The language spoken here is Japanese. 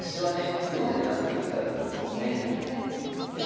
常に狙っていきたいところですね。